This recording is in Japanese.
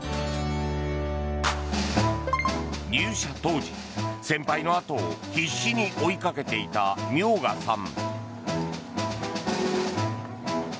入社当時、先輩のあとを必死に追いかけていた明賀さん。